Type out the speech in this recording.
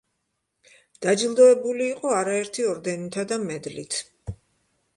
დაჯილდოებული იყო არაერთი ორდენითა და მედლით.